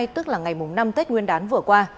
tức là ngày năm tết nguyên đán vừa qua